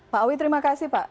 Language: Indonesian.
pak awi terima kasih pak